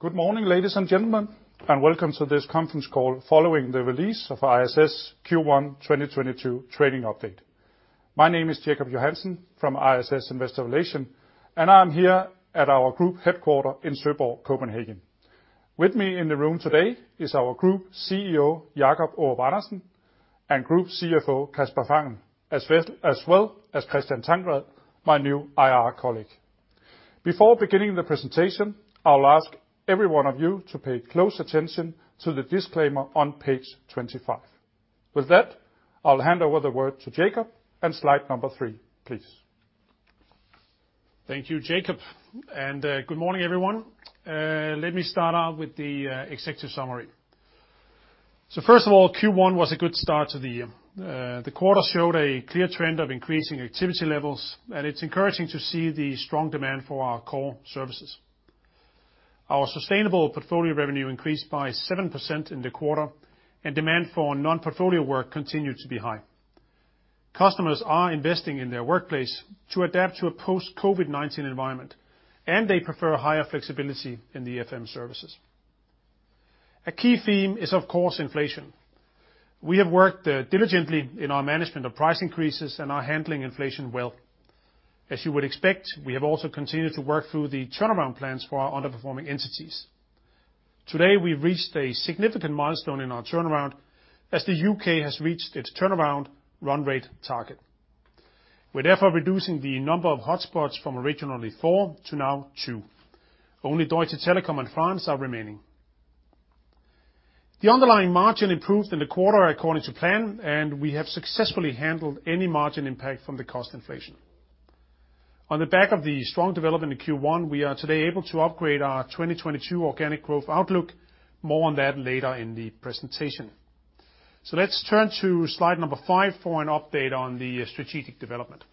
Good morning, ladies and gentlemen, and welcome to this Conference Call following the release of ISS Q1 2022 Trading Update. My name is Jacob Johansen from ISS Investor Relations, and I'm here at our group headquarters in Søborg, Copenhagen. With me in the room today is our group CEO, Jacob Aarup-Andersen, and Group CFO, Kasper Fangel, as well as Kristian Tangsig, my new IR colleague. Before beginning the presentation, I will ask every one of you to pay close attention to the disclaimer on page 25. With that, I'll hand over the word to Jacob and slide number three, please. Thank you, Jacob, and good morning, everyone. Let me start out with the executive summary. First of all, Q1 was a good start to the year. The quarter showed a clear trend of increasing activity levels, and it's encouraging to see the strong demand for our core services. Our sustainable portfolio revenue increased by 7% in the quarter, and demand for non-portfolio work continued to be high. Customers are investing in their workplace to adapt to a post-COVID-19 environment, and they prefer higher flexibility in the FM services. A key theme is, of course, inflation. We have worked diligently in our management of price increases and are handling inflation well. As you would expect, we have also continued to work through the turnaround plans for our underperforming entities. Today, we've reached a significant milestone in our turnaround, as the U.K. has reached its Turnaround Run Rate Target. We're therefore reducing the number of hotspots from originally four to now two. Only Deutsche Telekom and France are remaining. The underlying margin improved in the quarter according to plan, and we have successfully handled any margin impact from the cost inflation. On the back of the strong development in Q1, we are today able to upgrade our 2022 organic growth outlook. More on that later in the presentation. Let's turn to slide number five for an update on the strategic development.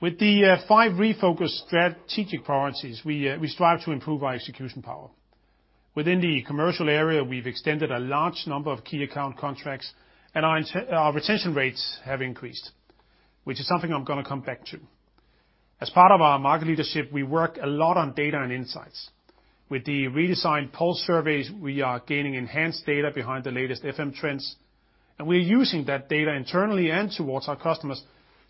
With the five refocused strategic priorities, we strive to improve our execution power. Within the commercial area, we've extended a large number of key account contracts, and our retention rates have increased, which is something I'm gonna come back to. As part of our market leadership, we work a lot on data and insights. With the redesigned pulse surveys, we are gaining enhanced data behind the latest FM trends, and we're using that data internally and towards our customers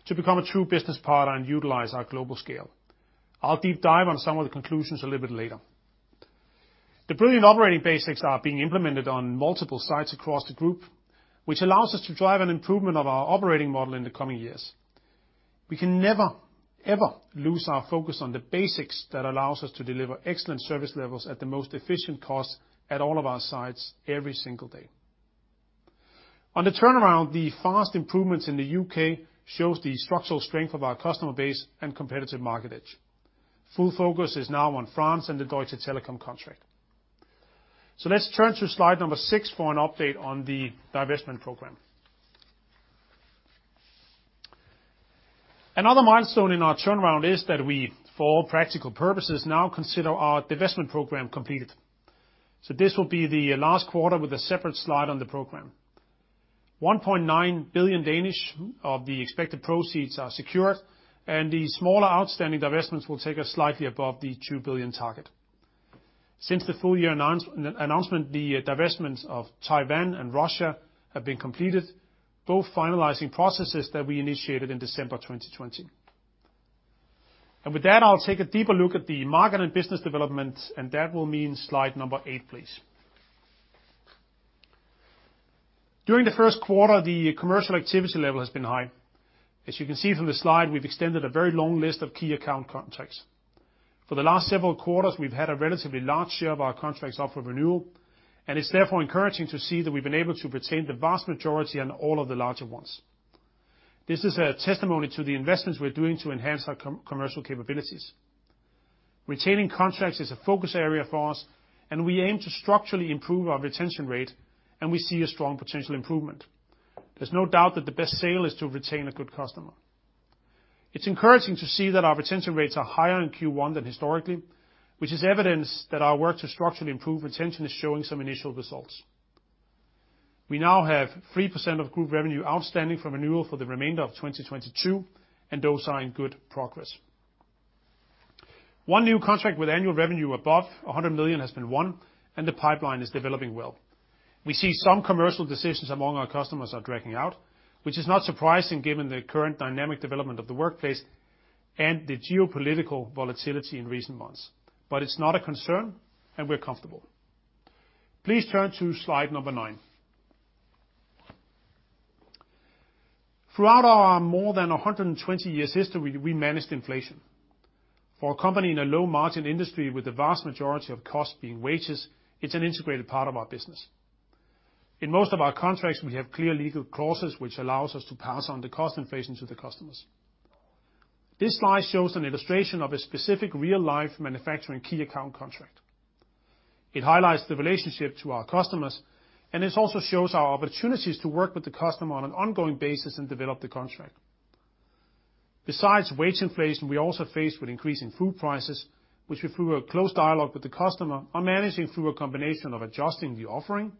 to become a true business partner and utilize our global scale. I'll deep dive on some of the conclusions a little bit later. The brilliant operating basics are being implemented on multiple sites across the group, which allows us to drive an improvement of our operating model in the coming years. We can never, ever lose our focus on the basics that allows us to deliver excellent service levels at the most efficient cost at all of our sites every single day. On the turnaround, the fast improvements in the U.K. shows the structural strength of our customer base and competitive market edge. Full focus is now on France and the Deutsche Telekom contract. Let's turn to slide number six for an update on the divestment program. Another milestone in our turnaround is that we, for all practical purposes, now consider our divestment program completed. This will be the last quarter with a separate slide on the program. 1.9 billion of the expected proceeds are secured, and the smaller outstanding divestments will take us slightly above the 2 billion target. Since the full-year announcement, the divestments of Taiwan and Russia have been completed, both finalizing processes that we initiated in December 2020. With that, I'll take a deeper look at the market and business development, and that will mean slide number eight, please. During the first quarter, the commercial activity level has been high. As you can see from the slide, we've extended a very long list of key account contracts. For the last several quarters, we've had a relatively large share of our contracts up for renewal, and it's therefore encouraging to see that we've been able to retain the vast majority on all of the larger ones. This is a testimony to the investments we're doing to enhance our commercial capabilities. Retaining contracts is a focus area for us, and we aim to structurally improve our retention rate, and we see a strong potential improvement. There's no doubt that the best sale is to retain a good customer. It's encouraging to see that our retention rates are higher in Q1 than historically, which is evidence that our work to structurally improve retention is showing some initial results. We now have 3% of group revenue outstanding for renewal for the remainder of 2022, and those are in good progress. One new contract with annual revenue above 100 million has been won, and the pipeline is developing well. We see some commercial decisions among our customers are dragging out, which is not surprising given the current dynamic development of the workplace and the geopolitical volatility in recent months. It's not a concern, and we're comfortable. Please turn to slide number nine. Throughout our more than 120 years' history, we managed inflation. For a company in a low-margin industry with the vast majority of costs being wages, it's an integrated part of our business. In most of our contracts, we have clear legal clauses which allows us to pass on the cost inflation to the customers. This slide shows an illustration of a specific real-life manufacturing key account contract. It highlights the relationship to our customers, and this also shows our opportunities to work with the customer on an ongoing basis and develop the contract. Besides wage inflation, we also faced with increasing food prices, which we, through a close dialogue with the customer, are managing through a combination of adjusting the offering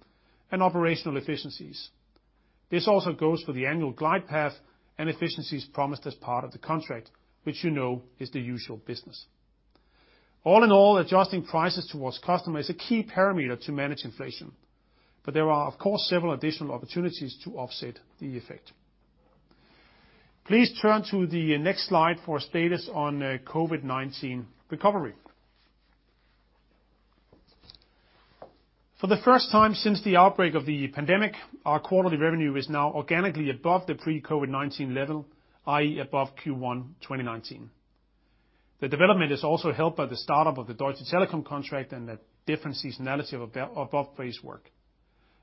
and operational efficiencies. This also goes for the annual glide path and efficiencies promised as part of the contract, which you know is the usual business. All in all, adjusting prices toward customers is a key parameter to manage inflation, but there are, of course, several additional opportunities to offset the effect. Please turn to the next slide for status on COVID-19 recovery. For the first time since the outbreak of the pandemic, our quarterly revenue is now organically above the pre-COVID-19 level, i.e., above Q1 2019. The development is also helped by the start-up of the Deutsche Telekom contract and the different seasonality of above base work,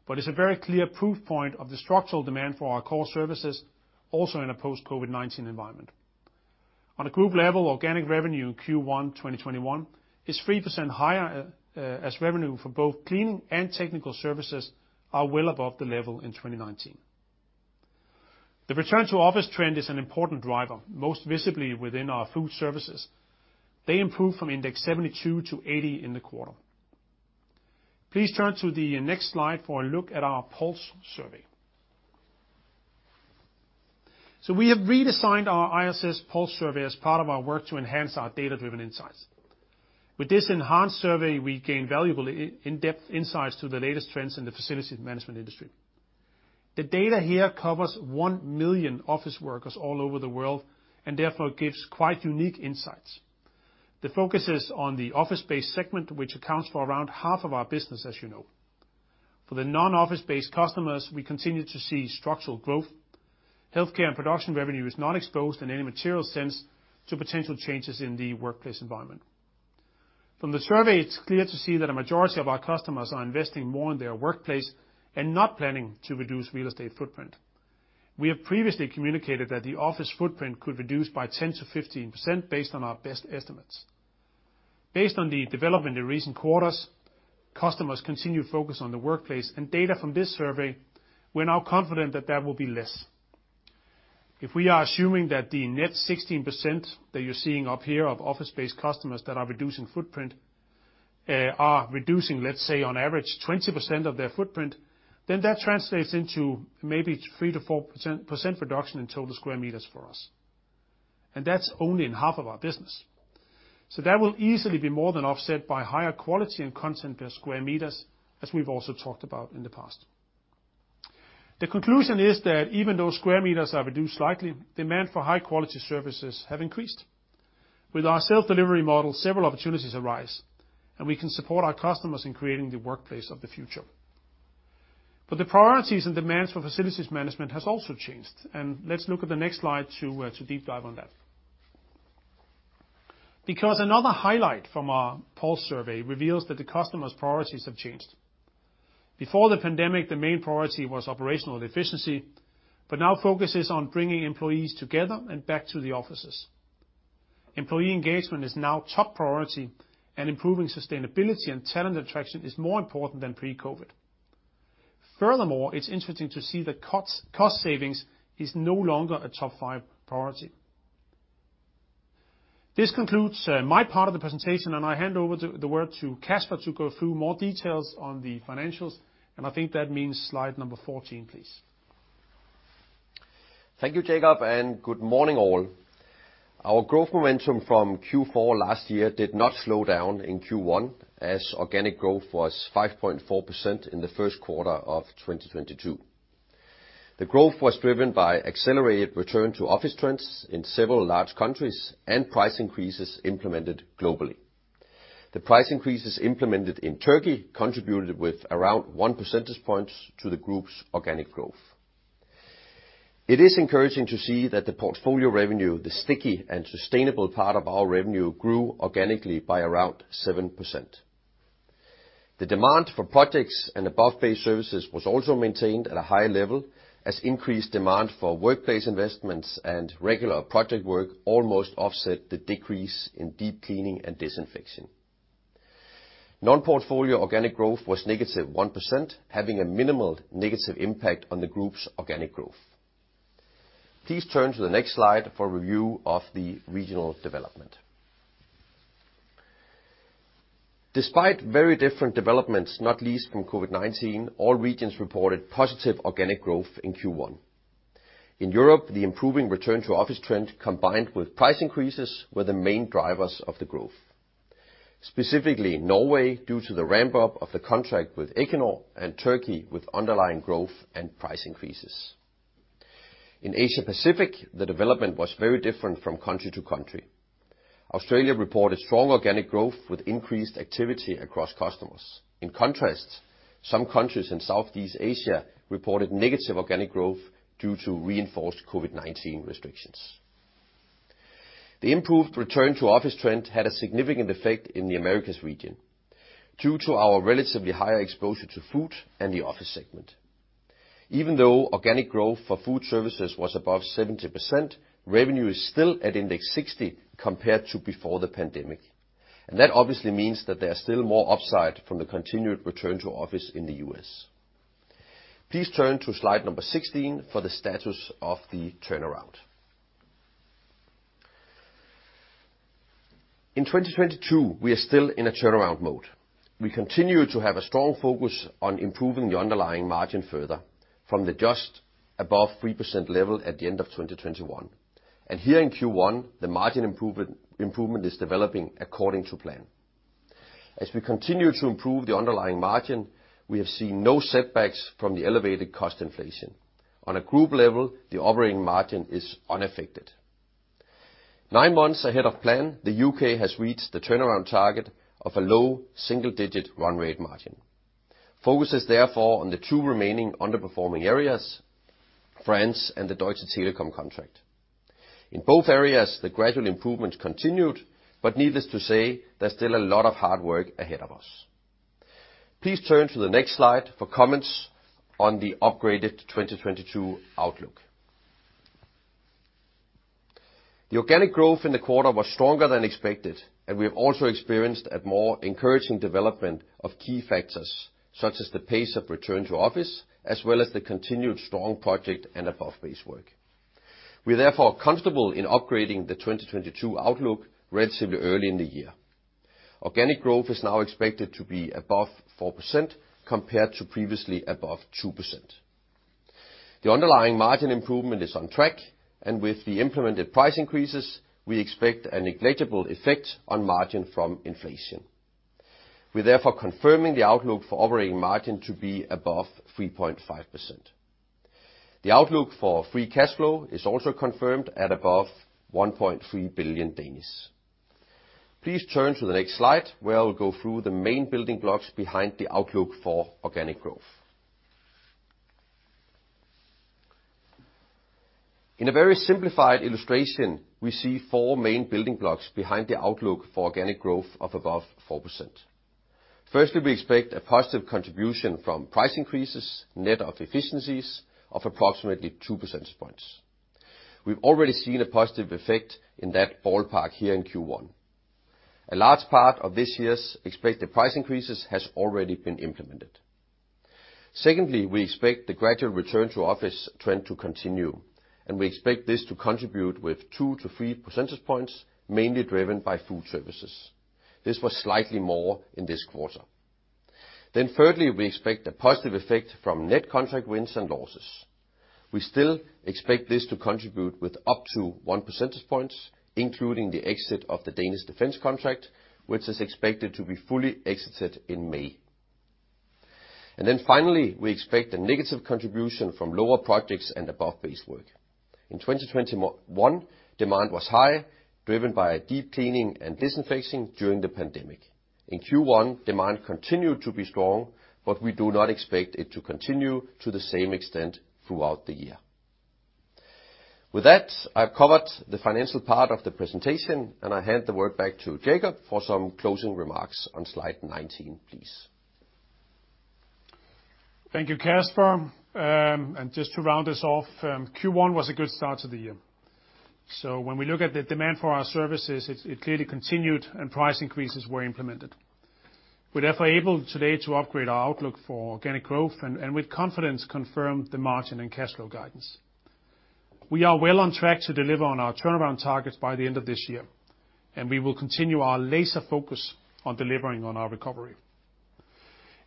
but it's a very clear proof point of the structural demand for our core services also in a post-COVID-19 environment. On a group level, organic revenue in Q1 2021 is 3% higher, as revenue for both cleaning and technical services are well above the level in 2019. The return to office trend is an important driver, most visibly within our food services. They improve from index 72 to 80 in the quarter. Please turn to the next slide for a look at our pulse survey. We have redesigned our ISS Pulse survey as part of our work to enhance our data-driven insights. With this enhanced survey, we gain valuable in-depth insights into the latest trends in the facilities management industry. The data here covers 1 million office workers all over the world, and therefore it gives quite unique insights. The focus is on the office-based segment, which accounts for around half of our business, as you know. For the non-office-based customers, we continue to see structural growth. Healthcare and production revenue is not exposed in any material sense to potential changes in the workplace environment. From the survey, it's clear to see that a majority of our customers are investing more in their workplace and not planning to reduce real estate footprint. We have previously communicated that the office footprint could reduce by 10%-15% based on our best estimates. Based on the development in recent quarters, customers continue to focus on the workplace and data from this survey. We're now confident that that will be less. If we are assuming that the net 16% that you're seeing up here of office-based customers that are reducing footprint are reducing, let's say, on average, 20% of their footprint, then that translates into maybe 3%-4% reduction in total square meters for us, and that's only in half of our business. That will easily be more than offset by higher quality and content per square meters, as we've also talked about in the past. The conclusion is that even though square meters are reduced slightly, demand for high-quality services have increased. With our self-delivery model, several opportunities arise, and we can support our customers in creating the workplace of the future. The priorities and demands for facilities management has also changed, and let's look at the next slide to deep dive on that. Because another highlight from our Pulse survey reveals that the customers' priorities have changed. Before the pandemic, the main priority was operational efficiency, but now focus is on bringing employees together and back to the offices. Employee engagement is now top priority and improving sustainability and talent attraction is more important than pre-COVID. Furthermore, it's interesting to see that cost savings is no longer a top five priority. This concludes my part of the presentation, and I hand over the floor to Kasper to go through more details on the financials, and I think that means slide number 14, please. Thank you, Jacob, and good morning all. Our growth momentum from Q4 last year did not slow down in Q1 as organic growth was 5.4% in the first quarter of 2022. The growth was driven by accelerated return to office trends in several large countries and price increases implemented globally. The price increases implemented in Turkey contributed with around 1 percentage point to the group's organic growth. It is encouraging to see that the portfolio revenue, the sticky and sustainable part of our revenue, grew organically by around 7%. The demand for projects and above-base services was also maintained at a high level as increased demand for workplace investments and regular project work almost offset the decrease in deep cleaning and disinfection. Non-portfolio organic growth was -1%, having a minimal negative impact on the group's organic growth. Please turn to the next slide for a review of the regional development. Despite very different developments, not least from COVID-19, all regions reported positive organic growth in Q1. In Europe, the improving return to office trend, combined with price increases, were the main drivers of the growth. Specifically in Norway, due to the ramp-up of the contract with Equinor and Turkey with underlying growth and price increases. In Asia-Pacific, the development was very different from country to country. Australia reported strong organic growth with increased activity across customers. In contrast, some countries in Southeast Asia reported negative organic growth due to reinforced COVID-19 restrictions. The improved return to office trend had a significant effect in the Americas region due to our relatively higher exposure to food and the office segment. Even though organic growth for food services was above 70%, revenue is still at index 60 compared to before the pandemic, and that obviously means that there's still more upside from the continued return to office in the U.S. Please turn to slide number 16 for the status of the turnaround. In 2022, we are still in a turnaround mode. We continue to have a strong focus on improving the underlying margin further from the just above 3% level at the end of 2021. Here in Q1, the margin improvement is developing according to plan. As we continue to improve the underlying margin, we have seen no setbacks from the elevated cost inflation. On a group level, the operating margin is unaffected. Nine months ahead of plan, the U.K. has reached the turnaround target of a low single-digit run rate margin. Focus is therefore on the two remaining underperforming areas, France and the Deutsche Telekom contract. In both areas, the gradual improvements continued, but needless to say, there's still a lot of hard work ahead of us. Please turn to the next slide for comments on the upgraded 2022 outlook. The organic growth in the quarter was stronger than expected, and we have also experienced a more encouraging development of key factors, such as the pace of return to office, as well as the continued strong project and above-base work. We are therefore comfortable in upgrading the 2022 outlook relatively early in the year. Organic growth is now expected to be above 4% compared to previously above 2%. The underlying margin improvement is on track, and with the implemented price increases, we expect a negligible effect on margin from inflation. We're therefore confirming the outlook for operating margin to be above 3.5%. The outlook for free cash flow is also confirmed at above 1.3 billion. Please turn to the next slide, where I will go through the main building blocks behind the outlook for organic growth. In a very simplified illustration, we see four main building blocks behind the outlook for organic growth of above 4%. Firstly, we expect a positive contribution from price increases, net of efficiencies of approximately two percentage points. We've already seen a positive effect in that ballpark here in Q1. A large part of this year's expected price increases has already been implemented. Secondly, we expect the gradual return to office trend to continue, and we expect this to contribute with two to three percentage points, mainly driven by food services. This was slightly more in this quarter. Thirdly, we expect a positive effect from net contract wins and losses. We still expect this to contribute with up to one percentage points, including the exit of the Danish Defence contract, which is expected to be fully exited in May. Finally, we expect a negative contribution from lower projects and above-base work. In 2021, demand was high, driven by deep cleaning and disinfecting during the pandemic. In Q1, demand continued to be strong, but we do not expect it to continue to the same extent throughout the year. With that, I've covered the financial part of the presentation, and I hand the word back to Jacob for some closing remarks on slide 19, please. Thank you, Kasper. Just to round this off, Q1 was a good start to the year. When we look at the demand for our services, it clearly continued and price increases were implemented. We're therefore able today to upgrade our outlook for organic growth and with confidence confirm the margin and cash flow guidance. We are well on track to deliver on our turnaround targets by the end of this year, and we will continue our laser focus on delivering on our recovery.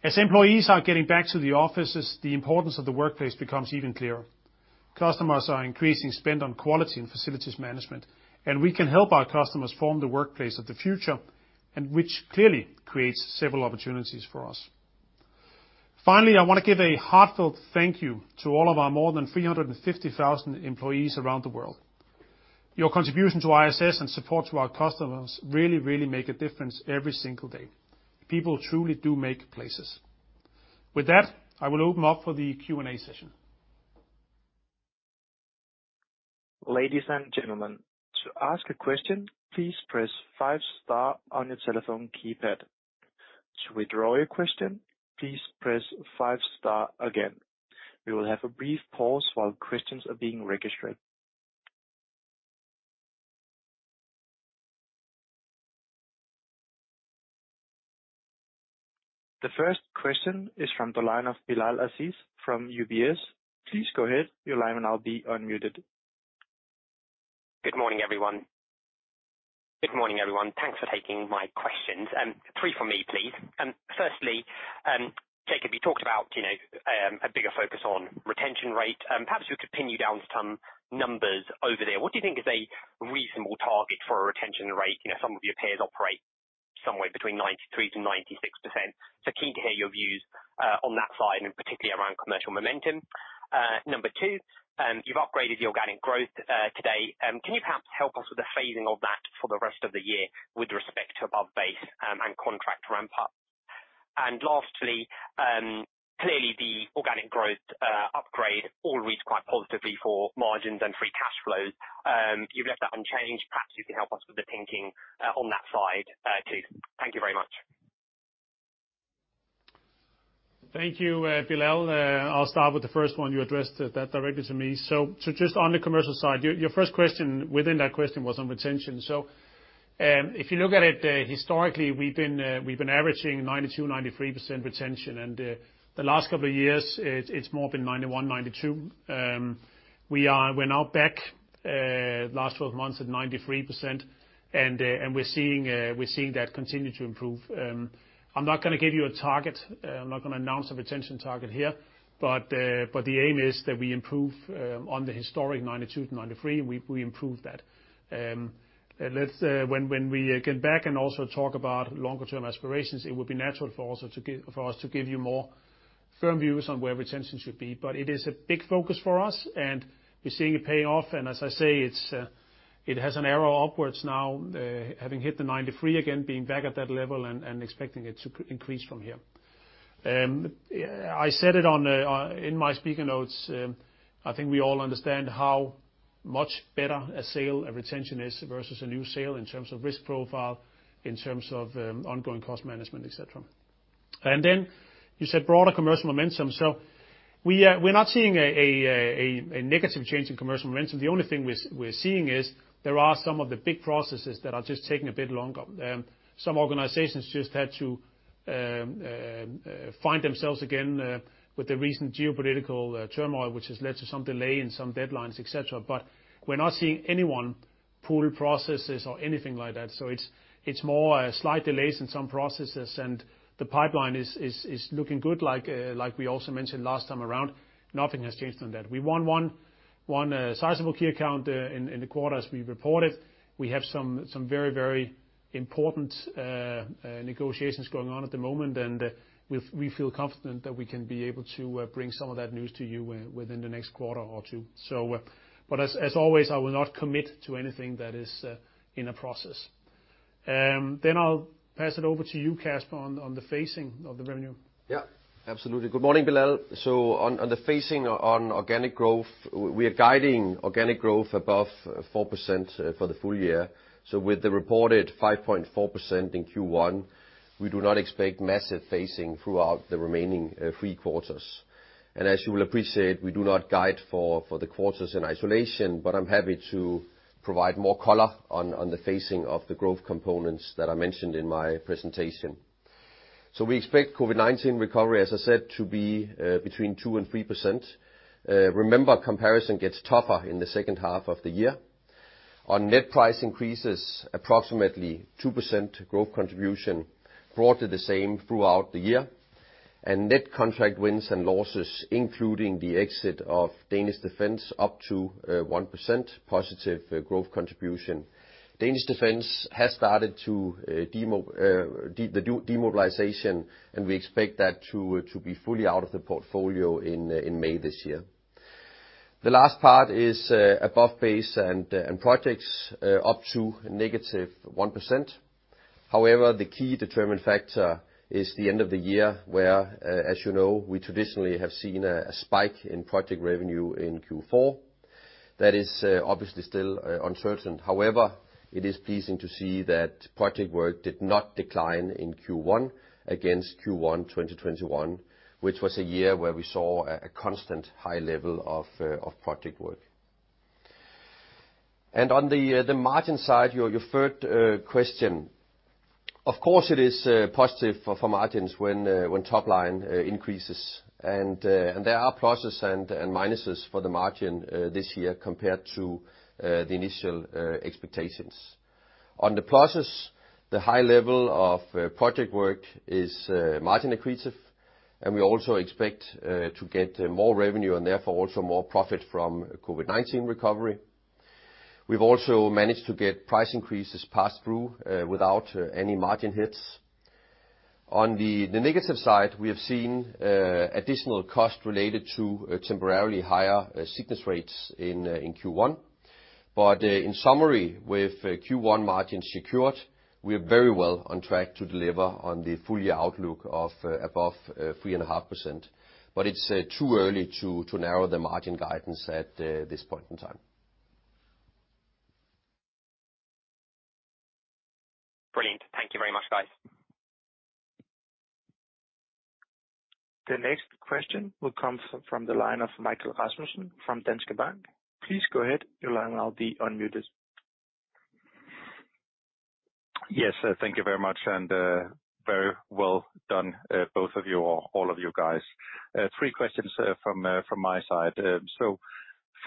As employees are getting back to the offices, the importance of the workplace becomes even clearer. Customers are increasing spend on quality and facilities management, and we can help our customers form the workplace of the future, which clearly creates several opportunities for us. Finally, I wanna give a heartfelt thank you to all of our more than 350,000 employees around the world. Your contribution to ISS and support to our customers really, really make a difference every single day. People truly do make places. With that, I will open up for the Q&A session. Ladies and gentlemen, to ask a question, please press five star on your telephone keypad. To withdraw your question, please press five star again. We will have a brief pause while questions are being registered. The first question is from the line of Bilal Aziz from UBS. Please go ahead. Your line will now be unmuted. Good morning, everyone. Thanks for taking my questions. Three for me, please. Firstly, Jacob, you talked about, you know, a bigger focus on retention rate. Perhaps we could pin you down to some numbers over there. What do you think is a reasonable target for a retention rate? You know, some of your peers operate somewhere between 93%-96%. Keen to hear your views on that side and particularly around commercial momentum. Number two, you've upgraded the organic growth today. Can you perhaps help us with the phasing of that for the rest of the year with respect to above base and contract ramp up? Lastly, clearly the organic growth upgrade all reads quite positively for margins and free cash flows. You've left that unchanged. Perhaps you can help us with the thinking, on that side, too. Thank you very much. Thank you, Bilal. I'll start with the first one. You addressed that directly to me. Just on the commercial side, your first question within that question was on retention. If you look at it, historically, we've been averaging 92-93% retention. The last couple of years, it's more been 91-92. We're now back last twelve months at 93%, and we're seeing that continue to improve. I'm not gonna give you a target. I'm not gonna announce a retention target here, but the aim is that we improve on the historic 92-93. We improve that. Let's, when we get back and also talk about longer term aspirations, it would be natural for us to give you more firm views on where retention should be. It is a big focus for us, and we're seeing it paying off. As I say, it has an arrow upwards now, having hit the 93% again, being back at that level and expecting it to increase from here. I said it in my speaking notes. I think we all understand how much better a retained sale is versus a new sale in terms of risk profile, in terms of ongoing cost management, et cetera. Then you said broader commercial momentum. We're not seeing a negative change in commercial momentum. The only thing we're seeing is there are some of the big processes that are just taking a bit longer. Some organizations just had to find themselves again with the recent geopolitical turmoil, which has led to some delay in some deadlines, et cetera. We're not seeing anyone pull processes or anything like that. It's more slight delays in some processes, and the pipeline is looking good like we also mentioned last time around, nothing has changed on that. We won one sizable key account in the quarter, as we reported. We have some very important negotiations going on at the moment, and we feel confident that we can be able to bring some of that news to you within the next quarter or two. As always, I will not commit to anything that is in a process. I'll pass it over to you, Kasper, on the phasing of the revenue. Yeah, absolutely. Good morning, Bilal. On the phasing on organic growth, we are guiding organic growth above 4% for the full year. With the reported 5.4% in Q1, we do not expect massive phasing throughout the remaining three quarters. As you will appreciate, we do not guide for the quarters in isolation, but I'm happy to provide more color on the phasing of the growth components that I mentioned in my presentation. We expect COVID-19 recovery, as I said, to be between 2% and 3%. Remember, comparison gets tougher in the second half of the year. On net price increases, approximately 2% growth contribution, broadly the same throughout the year. Net contract wins and losses, including the exit of Danish Defence, up to 1% positive growth contribution. Danish Defence has started to demobilization, and we expect that to be fully out of the portfolio in May this year. The last part is above base and projects up to -1%. However, the key determining factor is the end of the year, where, as you know, we traditionally have seen a spike in project revenue in Q4. That is obviously still uncertain. However, it is pleasing to see that project work did not decline in Q1 against Q1 2021, which was a year where we saw a constant high level of project work. On the margin side, your third question. Of course, it is positive for margins when top line increases. There are pluses and minuses for the margin this year compared to the initial expectations. On the pluses, the high level of project work is margin accretive, and we also expect to get more revenue and therefore also more profit from COVID-19 recovery. We've also managed to get price increases passed through without any margin hits. On the negative side, we have seen additional costs related to temporarily higher sickness rates in Q1. In summary, with Q1 margins secured, we are very well on track to deliver on the full year outlook of above 3.5%. It's too early to narrow the margin guidance at this point in time. Brilliant. Thank you very much, guys. The next question will come from the line of Michael Rasmussen from Danske Bank. Please go ahead. Your line will now be unmuted. Yes, thank you very much, and very well done, both of you or all of you guys. Three questions from my side.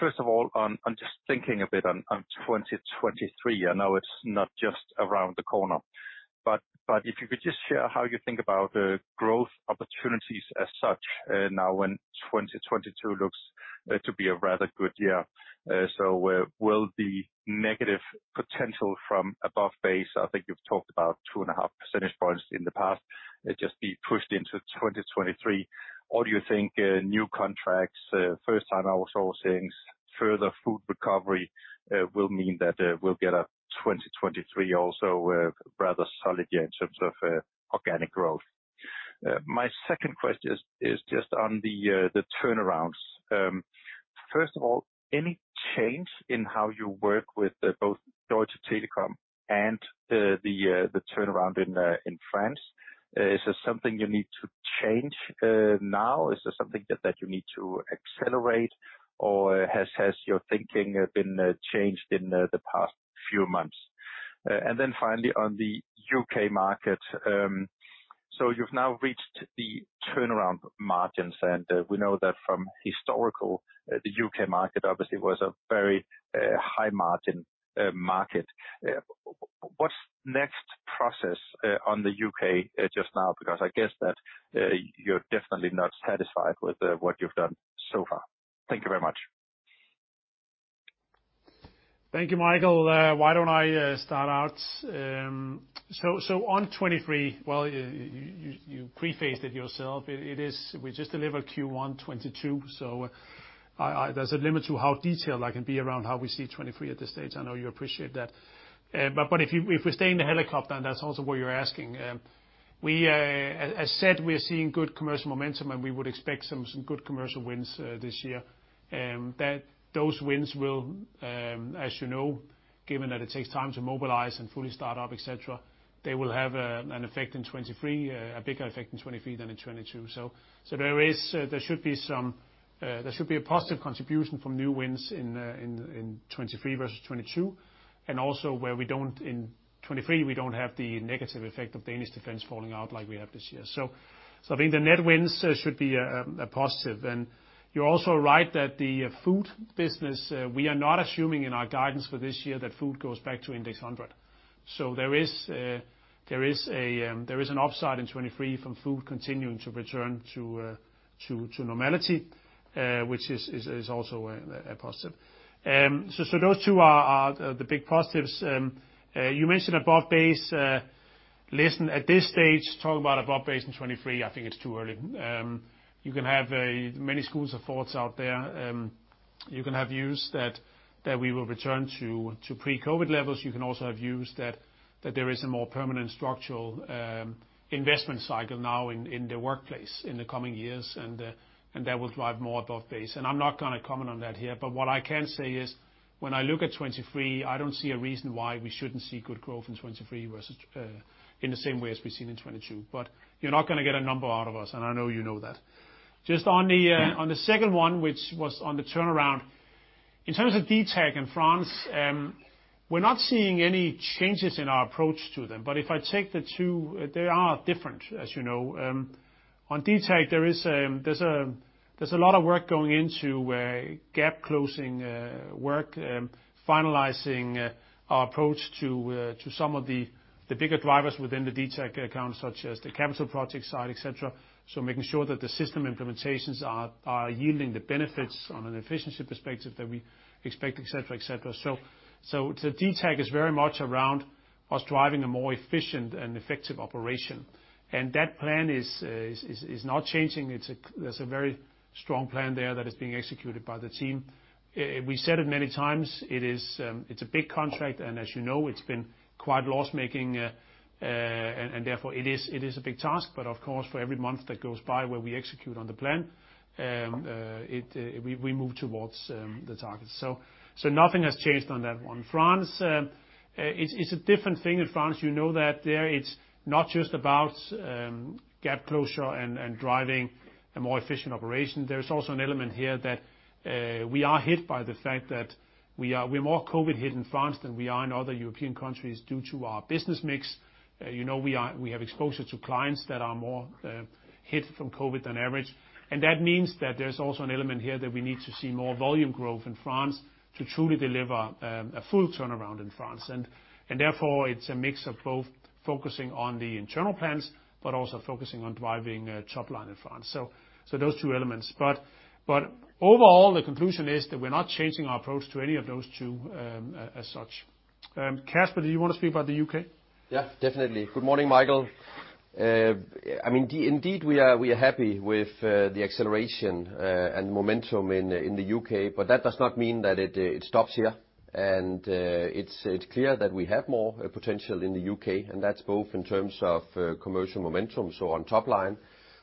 First of all, on just thinking a bit on 2023. I know it's not just around the corner, but if you could just share how you think about the growth opportunities as such, now when 2022 looks to be a rather good year. Will the negative potential from above base, I think you've talked about 2.5 percentage points in the past, just be pushed into 2023? Do you think new contracts, first-time outsourcings, further food recovery, will mean that we'll get a 2023 also a rather solid year in terms of organic growth? My second question is just on the turnarounds. First of all, any change in how you work with both Deutsche Telekom and the turnaround in France? Is there something you need to change now? Is there something that you need to accelerate? Or has your thinking been changed in the past few months? Then finally on the U.K. market. You've now reached the turnaround margins, and we know that from historical the U.K. market obviously was a very high margin market. What's next process on the U.K. just now? Because I guess that you're definitely not satisfied with what you've done so far. Thank you very much. Thank you, Michael. Why don't I start out? On 2023, well, you prefaced it yourself. It is. We just delivered Q1 2022. There's a limit to how detailed I can be around how we see 2023 at this stage. I know you appreciate that. If we stay in the helicopter, and that's also what you're asking, we. As said, we're seeing good commercial momentum, and we would expect some good commercial wins this year. Those wins will, as you know, given that it takes time to mobilize and fully start up, et cetera, they will have an effect in 2023, a bigger effect in 2023 than in 2022. There should be a positive contribution from new wins in 2023 versus 2022. In 2023, we don't have the negative effect of Danish Defence falling out like we have this year. I think the net wins should be a positive. You're also right that the food business, we are not assuming in our guidance for this year that food goes back to index 100. There is an upside in 2023 from food continuing to return to normality, which is also a positive. Those two are the big positives. You mentioned above base. Listen, at this stage, talking about above base in 2023, I think it's too early. You can have many schools of thoughts out there. You can have views that we will return to pre-COVID levels. You can also have views that there is a more permanent structural investment cycle now in the workplace in the coming years, and that will drive more above base. I'm not gonna comment on that here. What I can say is when I look at 2023, I don't see a reason why we shouldn't see good growth in 2023 versus in the same way as we've seen in 2022. You're not gonna get a number out of us, and I know you know that. Just on the second one, which was on the turnaround, in terms of DTEK in France, we're not seeing any changes in our approach to them. If I take the two, they are different, as you know. On DTEK, there's a lot of work going into gap closing work, finalizing our approach to some of the bigger drivers within the DTEK account, such as the capital project side, et cetera. Making sure that the system implementations are yielding the benefits on an efficiency perspective that we expect, et cetera. The DTEK is very much around us driving a more efficient and effective operation. That plan is not changing. It's a There's a very strong plan there that is being executed by the team. We said it many times, it's a big contract, and as you know, it's been quite loss-making. And therefore it is a big task. Of course, for every month that goes by where we execute on the plan, we move towards the target. Nothing has changed on that one. France, it's a different thing in France. You know that there it's not just about gap closure and driving a more efficient operation. There's also an element here that we are hit by the fact that we're more COVID hit in France than we are in other European countries due to our business mix. You know, we have exposure to clients that are more hit from COVID than average. That means that there's also an element here that we need to see more volume growth in France to truly deliver a full turnaround in France. Therefore it's a mix of both focusing on the internal plans, but also focusing on driving top line in France. Those two elements. Overall, the conclusion is that we're not changing our approach to any of those two as such. Kasper, do you wanna speak about the U.K.? Yeah, definitely. Good morning, Michael. I mean, indeed, we are happy with the acceleration and momentum in the U.K., but that does not mean that it stops here. It's clear that we have more potential in the U.K., and that's both in terms of commercial momentum, so on top line,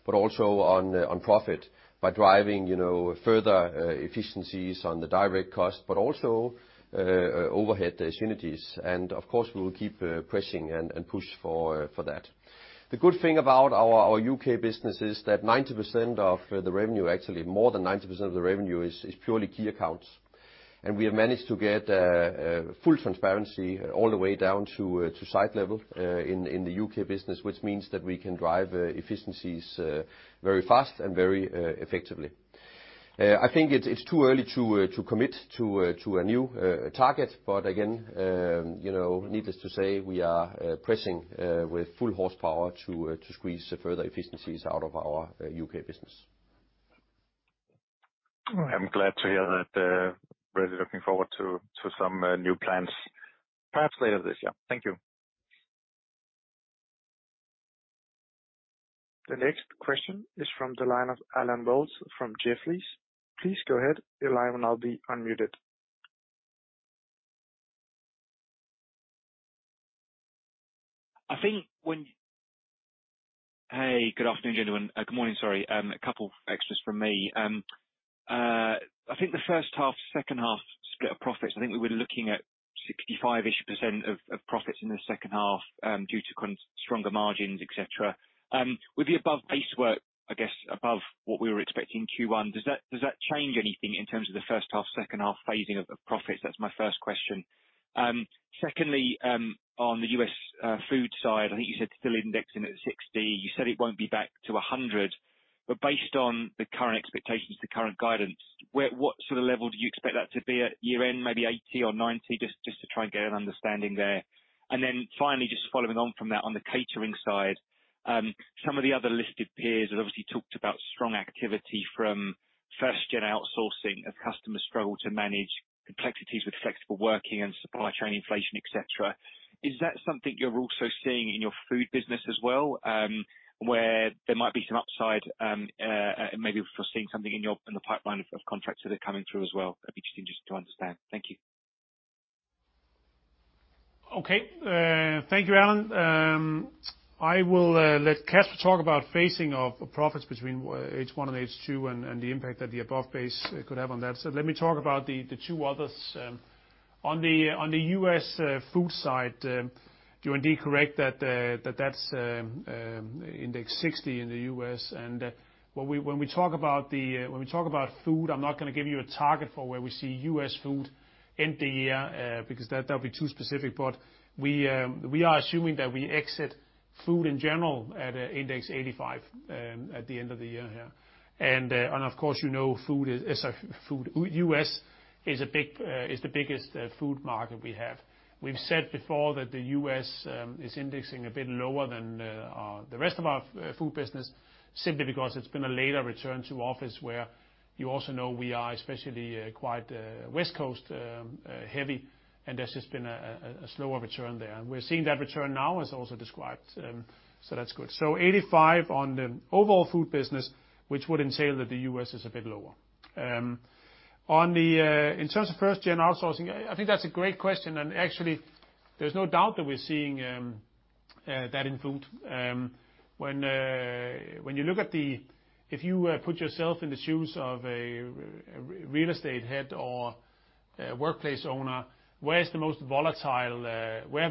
but also on profit by driving, you know, further efficiencies on the direct cost, but also overhead facilities. Of course, we will keep pressing and push for that. The good thing about our U.K. business is that 90% of the revenue, actually more than 90% of the revenue is purely key accounts. We have managed to get full transparency all the way down to site level in the U.K. business, which means that we can drive efficiencies very fast and very effectively. I think it's too early to commit to a new target. Again, you know, needless to say, we are pressing with full horsepower to squeeze further efficiencies out of our U.K. Business. I'm glad to hear that. Really looking forward to some new plans perhaps later this year. Thank you. The next question is from the line of Allen Wells from Jefferies. Please go ahead. Your line will now be unmuted. Hey, good afternoon, gentlemen. Good morning, sorry. A couple extras from me. I think the first half, second half split of profits, I think we were looking at 65-ish% of profits in the second half, due to stronger margins, et cetera. Would the above base work, I guess, above what we were expecting Q1? Does that change anything in terms of the first half, second half phasing of profits? That's my first question. Secondly, on the U.S. food side, I think you said it's still indexing at 60. You said it won't be back to 100. But based on the current expectations, the current guidance, what sort of level do you expect that to be at year-end, maybe 80 or 90? Just to try and get an understanding there. Finally, just following on from that, on the catering side, some of the other listed peers have obviously talked about strong activity from first-gen outsourcing as customers struggle to manage complexities with flexible working and supply chain inflation, et cetera. Is that something you're also seeing in your food business as well, where there might be some upside, maybe if you're seeing something in the pipeline of contracts that are coming through as well? I'd be just interested to understand. Thank you. Thank you, Allen. I will let Kasper talk about phasing of profits between H1 and H2 and the impact that the above base could have on that. Let me talk about the two others. On the U.S. food side, you're indeed correct that that's indexed 60 in the U.S. When we talk about food, I'm not gonna give you a target for where we see U.S. food end the year because that'll be too specific. We are assuming that we exit food in general at index 85 at the end of the year, yeah. Of course, you know, food is a food. U.S. is the biggest food market we have. We've said before that the U.S. is indexing a bit lower than the rest of our food business simply because it's been a later return to office, where you also know we are especially quite West Coast heavy, and there's just been a slower return there. We're seeing that return now as also described. That's good. 85% on the overall food business, which would entail that the U.S. is a bit lower. In terms of first-gen outsourcing, I think that's a great question. Actually, there's no doubt that we're seeing that in food. When you look at the... If you put yourself in the shoes of a real estate head or a workplace owner, where have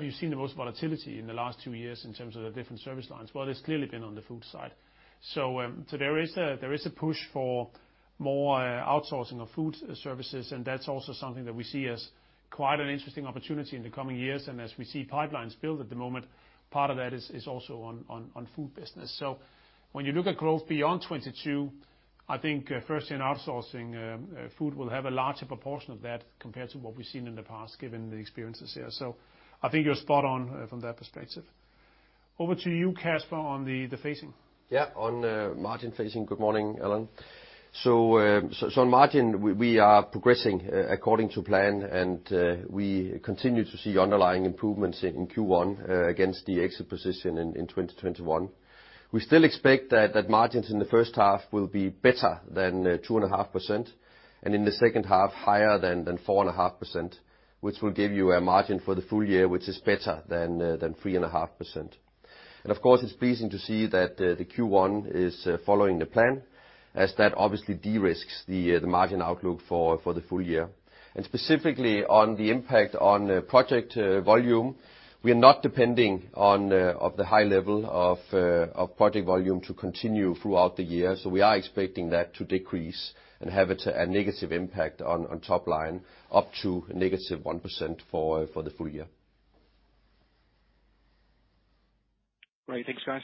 you seen the most volatility in the last two years in terms of the different service lines? Well, it's clearly been on the food side. There is a push for more outsourcing of food services, and that's also something that we see as quite an interesting opportunity in the coming years. As we see pipelines build at the moment, part of that is also on food business. When you look at growth beyond 2022, I think first-gen outsourcing food will have a larger proportion of that compared to what we've seen in the past, given the experiences here. I think you're spot on from that perspective. Over to you, Kasper, on the phasing. Yeah. On margin phasing. Good morning, Allen. So on margin, we are progressing according to plan, and we continue to see underlying improvements in Q1 against the exit position in 2021. We still expect that margins in the first half will be better than 2.5%, and in the second half, higher than 4.5%, which will give you a margin for the full year, which is better than 3.5%. Of course, it's pleasing to see that the Q1 is following the plan, as that obviously de-risks the margin outlook for the full year. Specifically on the impact on project volume, we are not depending on the high level of project volume to continue throughout the year. We are expecting that to decrease and have a negative impact on top line, up to negative 1% for the full year. Great. Thanks, guys.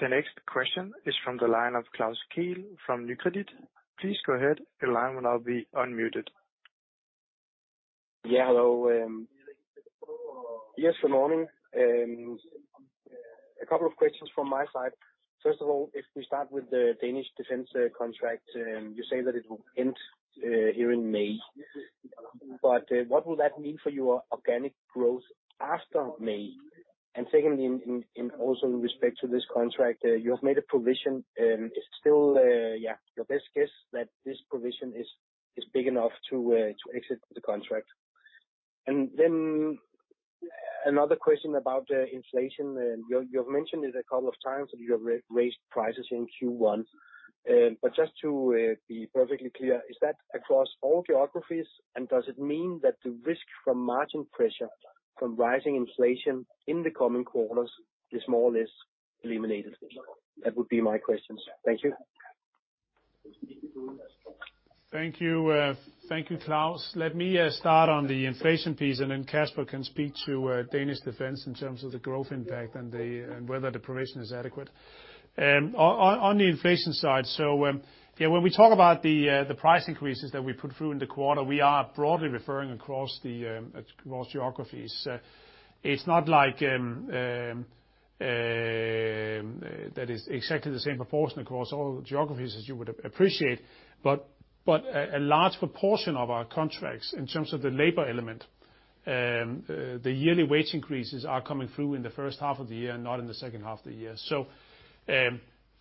The next question is from the line of Klaus Kehl from Nykredit Markets. Please go ahead. Your line will now be unmuted. Yeah. Hello. Yes, good morning. A couple of questions from my side. First of all, if we start with the Danish Defence contract, you say that it will end here in May. What will that mean for your organic growth after May? Secondly, also in respect to this contract, you have made a provision. It's still your best guess that this provision is big enough to exit the contract. Another question about inflation. You have mentioned it a couple of times that you have raised prices in Q1. Just to be perfectly clear, is that across all geographies, and does it mean that the risk from margin pressure from rising inflation in the coming quarters is more or less eliminated? That would be my questions. Thank you. Thank you. Thank you, Klaus. Let me start on the inflation piece, and then Kasper can speak to Danish Defence in terms of the growth impact and whether the provision is adequate. On the inflation side, when we talk about the price increases that we put through in the quarter, we are broadly referring across geographies. It's not like that is exactly the same proportion across all geographies as you would appreciate. A large proportion of our contracts, in terms of the labor element, the yearly wage increases are coming through in the first half of the year, not in the second half of the year.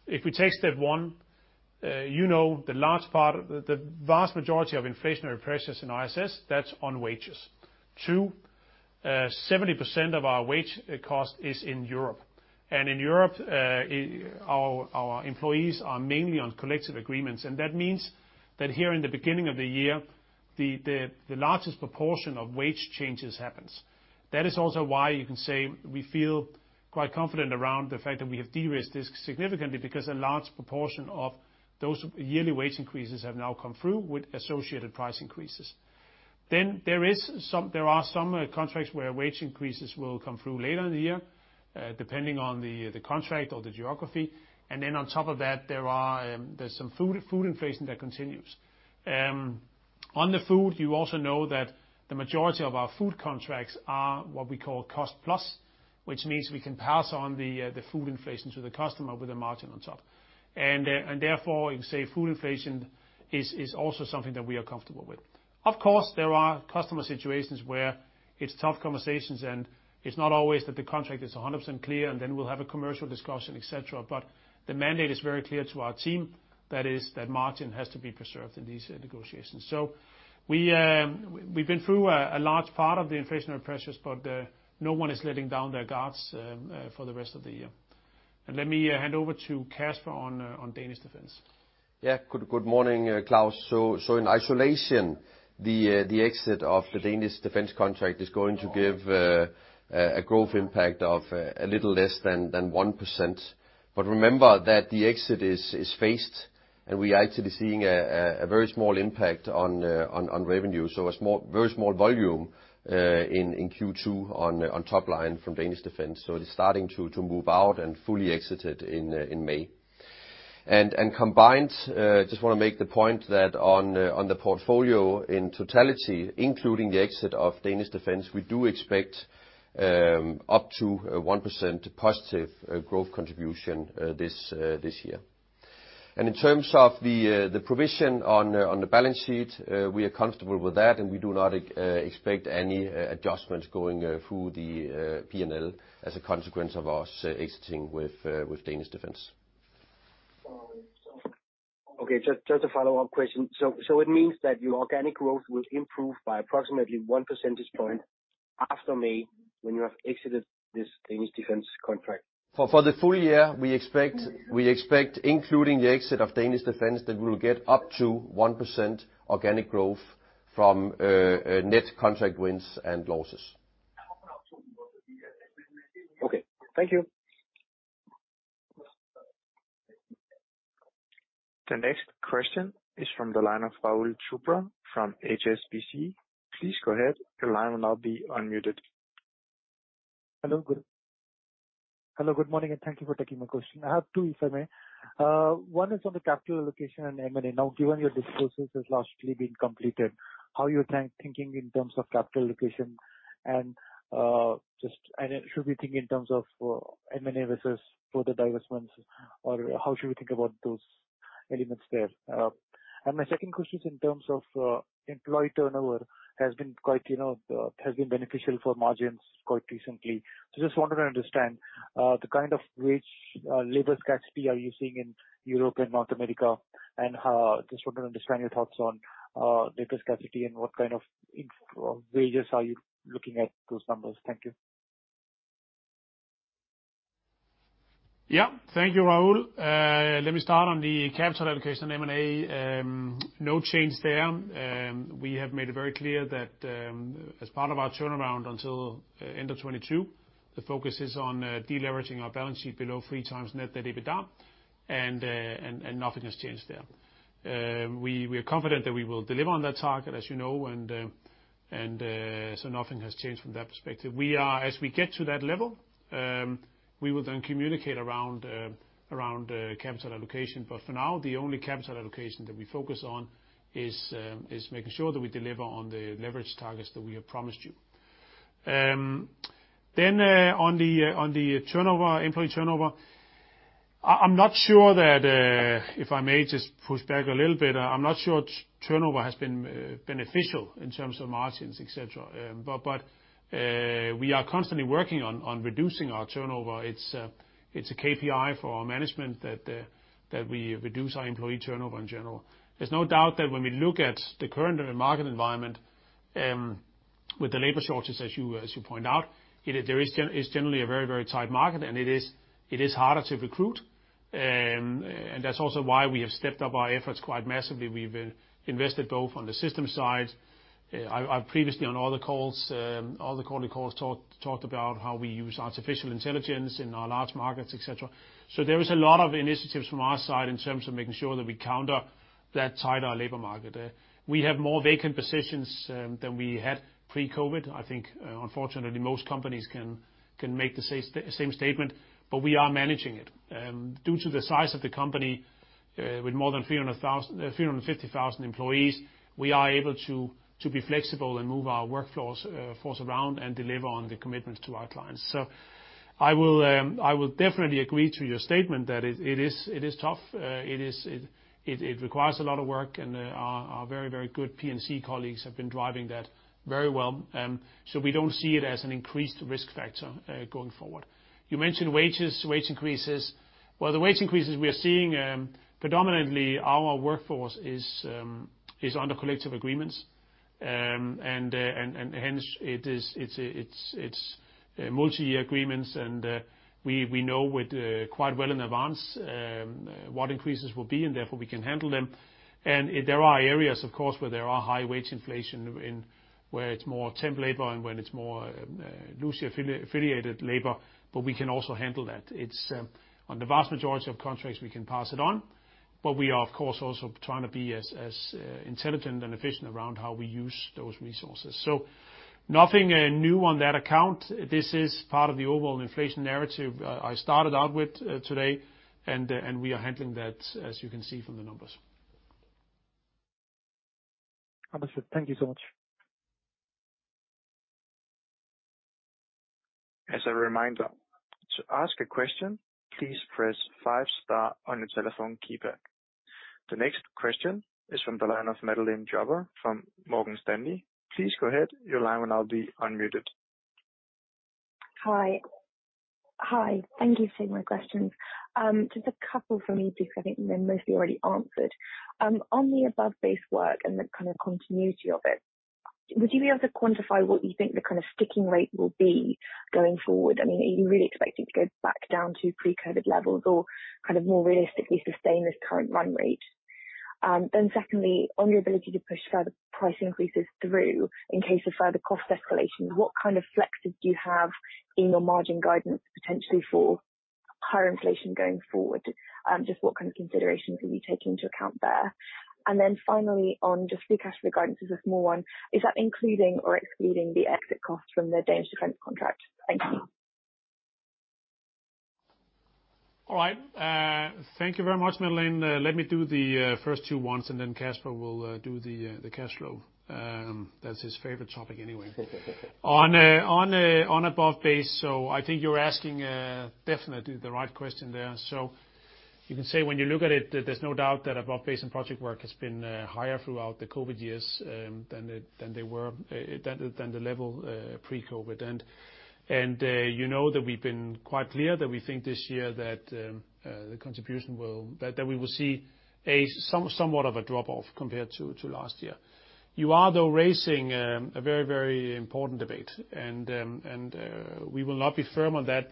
If we take step one, you know the large part of the vast majority of inflationary pressures in ISS, that's on wages too. 70% of our wage cost is in Europe, and in Europe, our employees are mainly on collective agreements, and that means that here in the beginning of the year, the largest proportion of wage changes happens. That is also why you can say we feel quite confident around the fact that we have de-risked this significantly because a large proportion of those yearly wage increases have now come through with associated price increases. There are some contracts where wage increases will come through later in the year, depending on the contract or the geography. On top of that, there is some food inflation that continues. On the food, you also know that the majority of our food contracts are what we call cost-plus, which means we can pass on the food inflation to the customer with a margin on top. Therefore, you can say food inflation is also something that we are comfortable with. Of course, there are customer situations where it's tough conversations, and it's not always that the contract is 100% clear, and then we'll have a commercial discussion, et cetera. The mandate is very clear to our team, that is that margin has to be preserved in these negotiations. We've been through a large part of the inflationary pressures, but no one is letting down their guards for the rest of the year. Let me hand over to Kasper on Danish Defence. Good morning, Klaus. In isolation, the exit of the Danish Defence contract is going to give a growth impact of a little less than 1%. Remember that the exit is phased, and we're actually seeing a very small impact on revenue, very small volume in Q2 on top line from Danish Defence. It is starting to move out and fully exited in May. Combined, just wanna make the point that on the portfolio in totality, including the exit of Danish Defence, we do expect up to 1% positive growth contribution this year. In terms of the provision on the balance sheet, we are comfortable with that, and we do not expect any adjustments going through the P&L as a consequence of us exiting with Danish Defence. Okay, just a follow-up question. It means that your organic growth will improve by approximately one percentage point after May, when you have exited this Danish Defence contract? For the full year, we expect, including the exit of Danish Defence, that we'll get up to 1% organic growth from net contract wins and losses. Okay. Thank you. The next question is from the line of Rahul Chopra from HSBC. Please go ahead. Your line will now be unmuted. Hello, good morning, and thank you for taking my question. I have two, if I may. One is on the capital allocation and M&A. Now, given your disposal has largely been completed, how are you thinking in terms of capital allocation? Should we think in terms of M&A versus further divestments, or how should we think about those elements there? My second question is in terms of employee turnover has been quite beneficial for margins quite recently. Just wanted to understand the kind of wage labor scarcity you are seeing in Europe and North America. Just want to understand your thoughts on labor scarcity and what kind of inflation or wages are you looking at those numbers. Thank you. Yeah. Thank you, Rahul. Let me start on the capital allocation and M&A. No change there. We have made it very clear that, as part of our turnaround until end of 2022, the focus is on de-leveraging our balance sheet below three times net the EBITDA and nothing has changed there. We are confident that we will deliver on that target, as you know, and so nothing has changed from that perspective. We are as we get to that level, we will then communicate around capital allocation. For now, the only capital allocation that we focus on is making sure that we deliver on the leverage targets that we have promised you. On the turnover, employee turnover, I'm not sure that if I may just push back a little bit, I'm not sure turnover has been beneficial in terms of margins, et cetera. We are constantly working on reducing our turnover. It's a KPI for our management that we reduce our employee turnover in general. There's no doubt that when we look at the current market environment with the labor shortages, as you point out, it's generally a very, very tight market, and it is harder to recruit. That's also why we have stepped up our efforts quite massively. We've invested both on the system side. I've previously on other calls, other quarterly calls, talked about how we use artificial intelligence in our large markets, et cetera. There is a lot of initiatives from our side in terms of making sure that we counter that tighter labor market. We have more vacant positions than we had pre-COVID. I think, unfortunately, most companies can make the same statement, but we are managing it. Due to the size of the company, with more than 300,000, 350,000 employees, we are able to be flexible and move our workforce around and deliver on the commitments to our clients. I will definitely agree to your statement that it is tough. It requires a lot of work, and our very good P&C colleagues have been driving that very well. We don't see it as an increased risk factor going forward. You mentioned wages, wage increases. Well, the wage increases we are seeing, predominantly our workforce is under collective agreements. Hence it is multiyear agreements, and we know quite well in advance what increases will be, and therefore we can handle them. There are areas, of course, where there are high wage inflation in, where it's more temp labor and when it's more loosely affiliated labor, but we can also handle that. It's on the vast majority of contracts, we can pass it on. We are, of course, also trying to be as intelligent and efficient around how we use those resources. Nothing new on that account. This is part of the overall inflation narrative I started out with today, and we are handling that, as you can see from the numbers. Understood. Thank you so much. As a reminder, to ask a question, please press five star on your telephone keypad. The next question is from the line of Madeleine Kerley from Morgan Stanley. Please go ahead. Your line will now be unmuted. Hi. Thank you for taking my questions. Just a couple from me, please. I think they've been mostly already answered. On the above base work and the kind of continuity of it, would you be able to quantify what you think the kind of sticking rate will be going forward? I mean, are you really expecting to go back down to pre-COVID levels or kind of more realistically sustain this current run rate? Then secondly, on your ability to push further price increases through in case of further cost escalation, what kind of flexes do you have in your margin guidance potentially for higher inflation going forward? Just what kind of considerations are you taking into account there? Finally, on just the cash flow guidance is a small one. Is that including or excluding the exit costs from the Danish Defence contract? Thank you. All right. Thank you very much, Madeleine. Let me do the first two ones, and then Kasper will do the cash flow. That's his favorite topic anyway. On above base. I think you're asking definitely the right question there. You can say when you look at it, there's no doubt that above base and project work has been higher throughout the COVID years than the level pre-COVID. You know that we've been quite clear that we think this year the contribution will. That we will see a somewhat of a drop-off compared to last year. You are though raising a very very important debate. We will not be firm on that.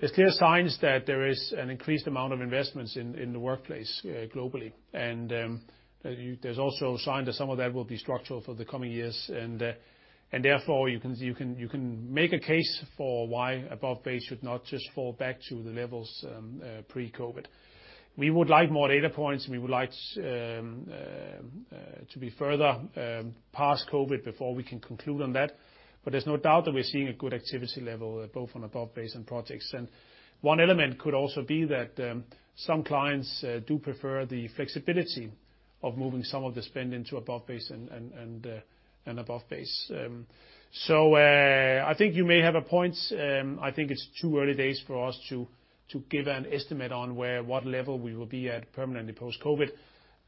There's clear signs that there is an increased amount of investments in the workplace globally. There's also a sign that some of that will be structural for the coming years. Therefore you can make a case for why above base should not just fall back to the levels pre-COVID. We would like more data points. We would like to be further past COVID before we can conclude on that. There's no doubt that we're seeing a good activity level both on above base and projects. One element could also be that some clients do prefer the flexibility of moving some of the spend into above base and above base. I think you may have a point. I think it's too early days for us to give an estimate on where what level we will be at permanently post-COVID.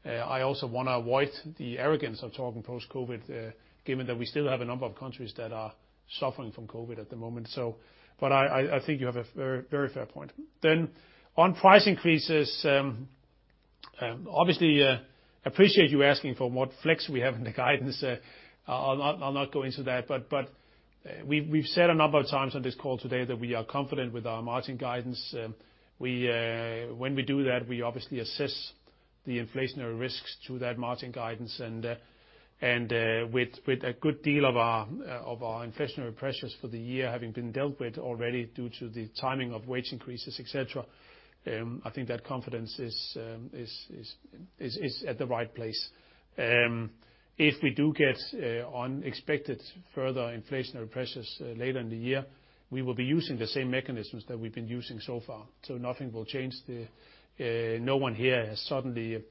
I also want to avoid the arrogance of talking post-COVID, given that we still have a number of countries that are suffering from COVID at the moment. I think you have a very fair point. On price increases, obviously, appreciate you asking for what flex we have in the guidance. I'll not go into that. We've said a number of times on this call today that we are confident with our margin guidance. When we do that, we obviously assess the inflationary risks to that margin guidance. With a good deal of our inflationary pressures for the year having been dealt with already due to the timing of wage increases, et cetera, I think that confidence is at the right place. If we do get unexpected further inflationary pressures later in the year, we will be using the same mechanisms that we've been using so far. Nothing will change there. No one here has suddenly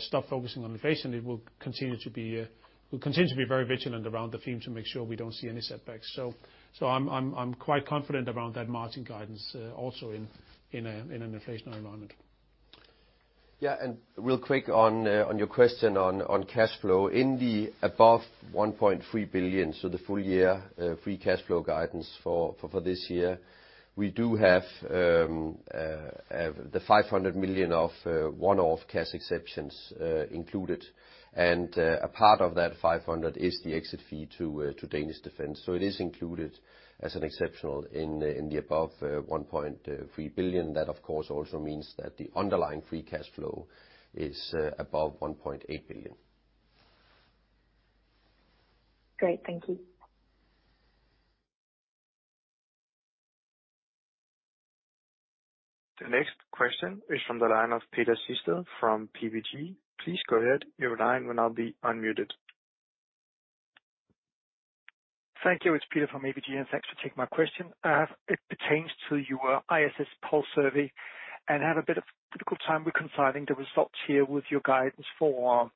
stopped focusing on inflation. It will continue to be, we'll continue to be very vigilant around the theme to make sure we don't see any setbacks. I'm quite confident around that margin guidance, also in an inflationary environment. Yeah, real quick on your question on cash flow. In the above 1.3 billion, so the full year free cash flow guidance for this year, we do have the 500 million of one-off cash exceptions included. A part of that 500 million is the exit fee to Danish Defence. It is included as an exceptional in the above 1.3 billion. That of course also means that the underlying free cash flow is above 1.8 billion. Great. Thank you. The next question is from the line of Peter Siesbye from PVG. Please go ahead. Your line will now be unmuted. Thank you. It's Peter Siesbye from PVG, and thanks for taking my question. It pertains to your ISS Pulse survey, and I have a bit of difficult time reconciling the results here with your guidance for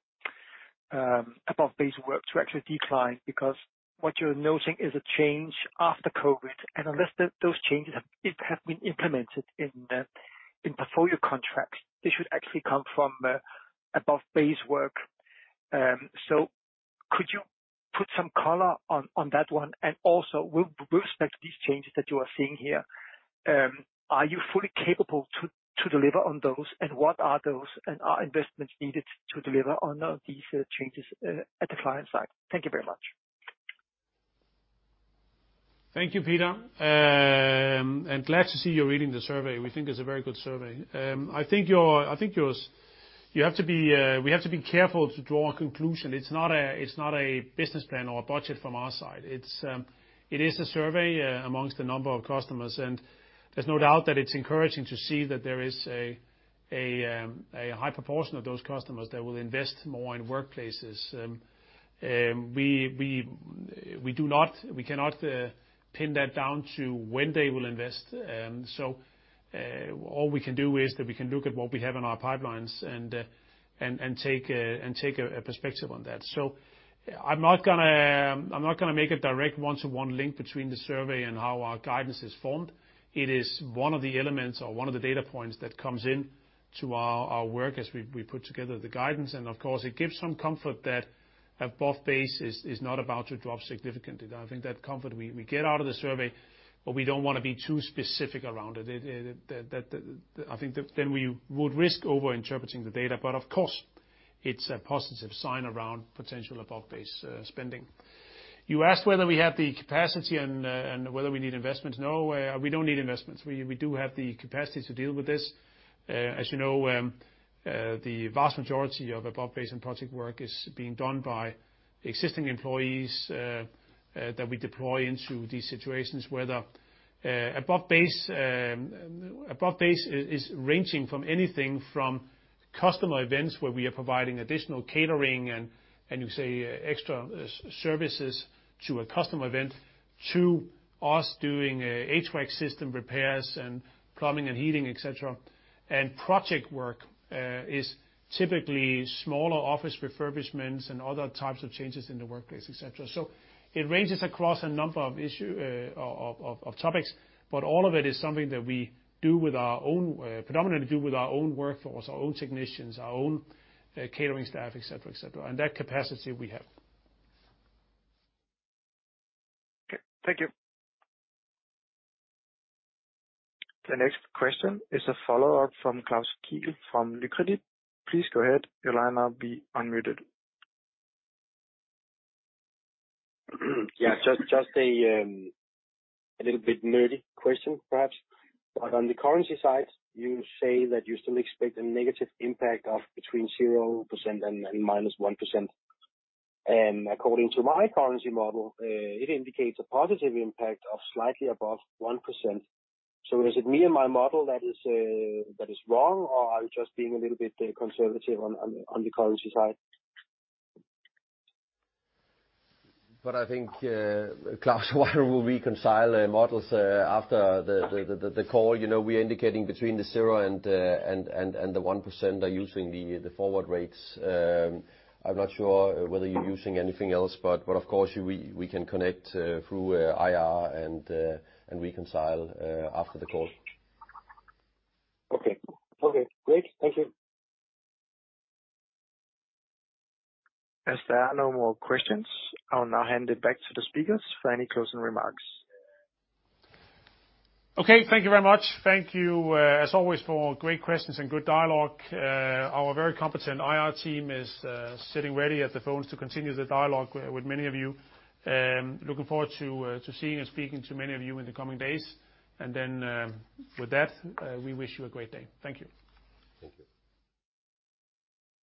above base work to actually decline, because what you're noting is a change after COVID. Unless those changes have been implemented in portfolio contracts, they should actually come from above base work. So could you- Put some color on that one. Also, with respect to these changes that you are seeing here, are you fully capable to deliver on those? What are those? Are investments needed to deliver on these changes at the client side? Thank you very much. Thank you, Peter. Glad to see you're reading the survey. We think it's a very good survey. We have to be careful to draw a conclusion. It's not a business plan or a budget from our side. It's a survey among a number of customers, and there's no doubt that it's encouraging to see that there is a high proportion of those customers that will invest more in workplaces. We cannot pin that down to when they will invest. All we can do is that we can look at what we have in our pipelines and take a perspective on that. I'm not gonna make a direct one-to-one link between the survey and how our guidance is formed. It is one of the elements or one of the data points that comes into our work as we put together the guidance. Of course it gives some comfort that above base is not about to drop significantly. I think that comfort we get out of the survey, but we don't wanna be too specific around it. I think then we would risk over-interpreting the data, but of course it's a positive sign around potential above base spending. You asked whether we have the capacity and whether we need investments. No, we don't need investments. We do have the capacity to deal with this. As you know, the vast majority of above base and project work is being done by existing employees that we deploy into these situations, whether above base is ranging from customer events, where we are providing additional catering and such as extra services to a customer event, to us doing HVAC system repairs and plumbing and heating, et cetera. Project work is typically smaller office refurbishments and other types of changes in the workplace, et cetera. It ranges across a number of issues of topics, but all of it is something that we predominantly do with our own workforce, our own technicians, our own catering staff, et cetera. That capacity we have. Okay. Thank you. The next question is a follow-up from Klaus from Nykredit. Please go ahead. Your line will be unmuted. Yeah. Just a little bit nerdy question perhaps. On the currency side, you say that you still expect a negative impact of between 0% and -1%. According to my currency model, it indicates a positive impact of slightly above 1%. Is it me and my model that is wrong, or are you just being a little bit conservative on the currency side? I think, Klaus, why don't we reconcile our models after the call? You know, we're indicating between 0 and 1% we're using the forward rates. I'm not sure whether you're using anything else, but of course we can connect through IR and reconcile after the call. Okay. Okay, great. Thank you. As there are no more questions, I'll now hand it back to the speakers for any closing remarks. Okay. Thank you very much. Thank you, as always for great questions and good dialogue. Our very competent IR team is sitting ready at the phones to continue the dialogue with many of you. Looking forward to seeing and speaking to many of you in the coming days. With that, we wish you a great day. Thank you. Thank you.